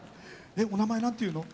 お名前何ていうの？